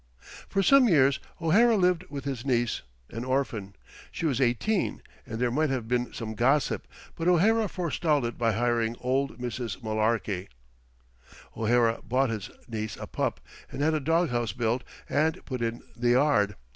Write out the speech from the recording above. For some years O'Hara lived with his niece, an orphan. She was eighteen, and there might have been some gossip, but O'Hara forestalled it by hiring old Mrs. Mullarky. O'Hara bought his niece a pup and had a dog house built and put in the yard.